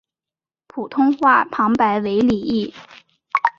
普通话旁白为李易。